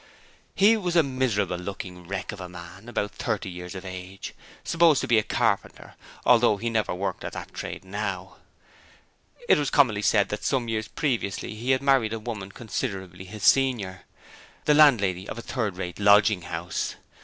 He was a miserable looking wreck of a man about thirty years of age, supposed to be a carpenter, although he never worked at that trade now. It was commonly said that some years previously he had married a woman considerably his senior, the landlady of a third rate lodging house.